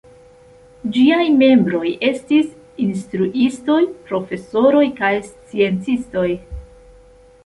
Ĝiaj membroj estis instruistoj, profesoroj kaj sciencistoj.